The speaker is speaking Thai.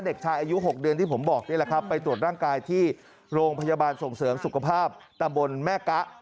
เด็กชายอายุ๖เดือนที่ผมบอกนี่แหละครับไปตรวจร่างกายที่โรงพยาบาลส่งเสริมสุขภาพตำบลแม่กะ